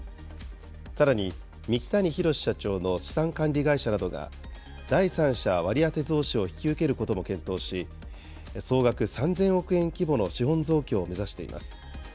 さらに三木谷浩史社長の資産管理会社などが、第三者割当増資を引き受けることも検討し、総額３０００億円規模の資本増強を目指しています。